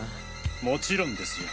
もちろんですよ。